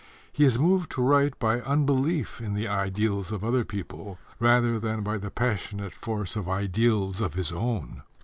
He is moved to write by unbelief in the ideals of other people rather than by the passionate force of ideals of his own.